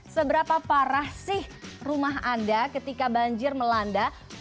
seberapa parah sih rumah anda ketika banjir melanda